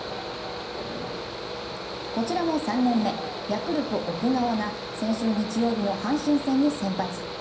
こちらも３年目、ヤクルト・奥川が先週日曜日の阪神戦に先発。